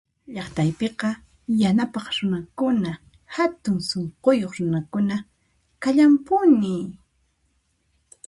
llaqtaypiqa yanapaq runakuna hatun sunquyuq runakuna kallampuni